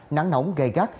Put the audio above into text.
nắng nóng gầy gắt